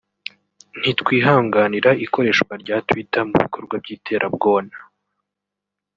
“Ntitwihanganira ikoreshwa rya Twitter mu bikorwa by’iterabwona